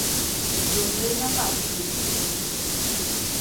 Ён жа і на вас дзейнічае.